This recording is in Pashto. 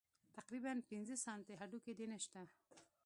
تقريباً پينځه سانتۍ هډوکى دې نشته.